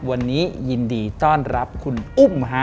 วันนี้ยินดีต้อนรับคุณอุ้มฮะ